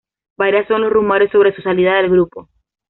Varias son los rumores sobre su salida del grupo.